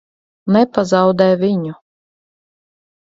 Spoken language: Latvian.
Nepazaudē viņu!